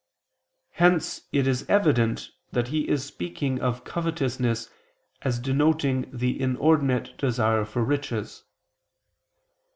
Hence it is evident that he is speaking of covetousness as denoting the inordinate desire for riches.